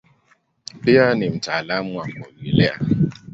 Pia ni mtaalamu wa kuogelea.